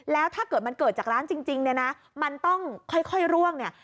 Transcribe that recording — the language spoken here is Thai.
แล้วถ้าเกิดมันเกิดจากร้านจริงเนี่ยนะมันต้องค่อยร่วงเนี่ย